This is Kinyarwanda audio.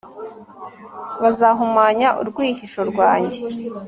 bazahumanya urwihisho rwanjye.